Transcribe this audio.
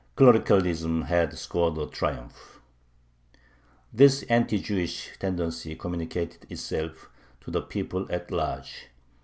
Clericalism had scored a triumph. This anti Jewish tendency communicated itself to the people at large.